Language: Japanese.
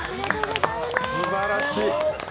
すばらしい。